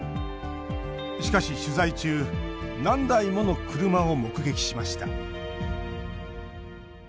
しかし、取材中何台もの車を目撃しました。